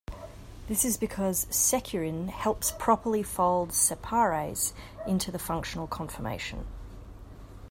This is because securin helps properly fold separase into the functional conformation.